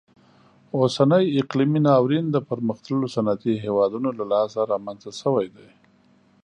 اوسنی اقلیمي ناورین د پرمختللو صنعتي هیوادونو له لاسه رامنځته شوی دی.